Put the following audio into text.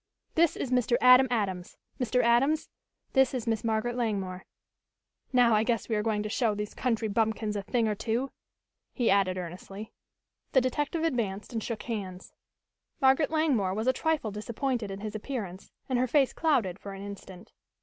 This is Mr. Adam Adams. Mr. Adams, this is Miss Margaret Langmore. Now, I guess we are going to show these country bumpkins a thing or two!" he added earnestly. The detective advanced and shook hands. Margaret Langmore was a trifle disappointed in his appearance and her face clouded for an instant.